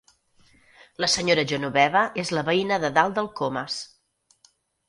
La senyora Genoveva és la veïna de dalt del Comas.